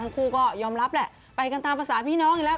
ทั้งคู่ก็ยอมรับแหละไปกันตามภาษาพี่น้องอย่างนี้แหละ